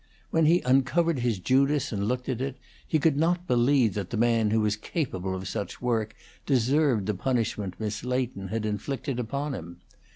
When he uncovered his Judas and looked at it, he could not believe that the man who was capable of such work deserved the punishment Miss Leighton had inflicted upon him.